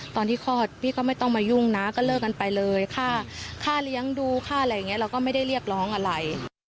คลอดพี่ก็ไม่ต้องมายุ่งนะก็เลิกกันไปเลยค่าเลี้ยงดูค่าอะไรอย่างนี้เราก็ไม่ได้เรียกร้องอะไร